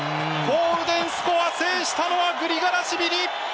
ゴールデンスコア制したのはグリガラシビリ。